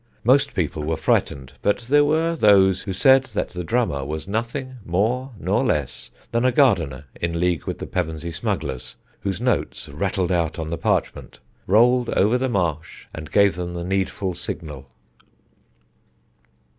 Most people were frightened, but there were those who said that the drummer was nothing more nor less than a gardener in league with the Pevensey smugglers, whose notes, rattled out on the parchment, rolled over the marsh and gave them the needful signal.